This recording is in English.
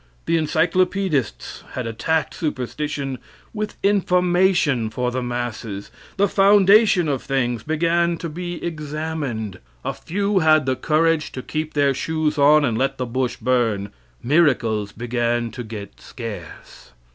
The encyclopaedists had attacked superstition with information for the masses. The foundation of things began to be examined. A few had the courage to keep their shoes on and let the bush burn. Miracles began to get scarce.